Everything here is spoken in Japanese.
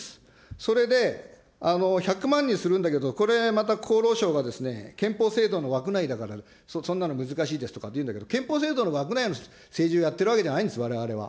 それで、１００万にするんだけど、これ、また厚労省が憲法制度の枠内だから、そんなの難しいですとかって言うんだけど、憲法制度の枠内の政治をやっているわけじゃないんです、われわれは。